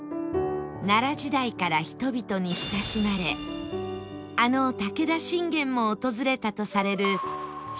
奈良時代から人々に親しまれあの武田信玄も訪れたとされる渋温泉